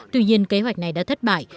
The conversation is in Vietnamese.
tuy nhiên kế hoạch này đã thất bại